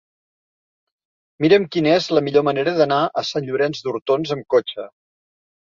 Mira'm quina és la millor manera d'anar a Sant Llorenç d'Hortons amb cotxe.